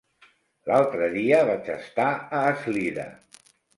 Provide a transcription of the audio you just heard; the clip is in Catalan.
L'altre dia vaig estar a Eslida.